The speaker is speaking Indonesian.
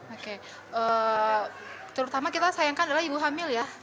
oke terutama kita sayangkan adalah ibu hamil ya